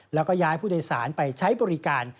แล้วก็ย้ายผู้โดยสารไปใช้บริการ